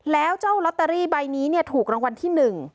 แล้วเจ้าลอตเตอรี่ใบนี้ถูกรางวัลที่๑